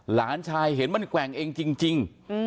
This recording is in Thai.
หลานชายเห็นมันแกว่งเองจริง